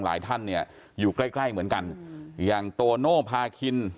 หลายท่านเนี่ยอยู่ใกล้ใกล้เหมือนกันอย่างโตโน่พาคิน